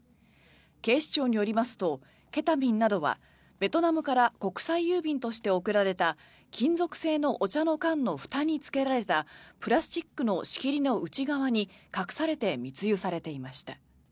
警視庁によりますとケタミンなどはベトナムから国際郵便として送られた金属製のお茶の缶のふたにつけられたプラスチックの仕切りの内側に隠されて密輸されていました。